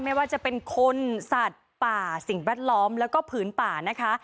ไม่ว่าจะเป็นคนสัตว์ป่าสิ่งแวดล้อมแล้วก็ผืนป่านะคะ